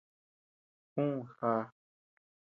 Jú, já.